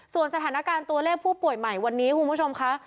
ส่วนสถานการณ์ตัวเลขผู้ป่วยใหม่วันนี้คุณผู้ชมค่ะ